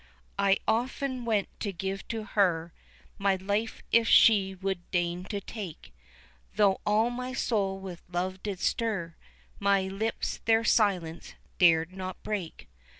I often went to give to her My life if she would deign to take, Though all my soul with love did stir My lips their silence dared not break.